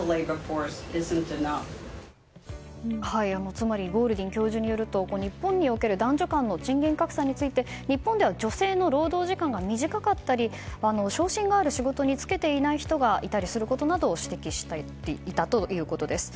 つまりゴールディン教授によると日本における男女間の賃金格差について日本では女性の労働時間が短かったり昇進がある仕事に就けていない人がいたりすることなどを指摘していたということです。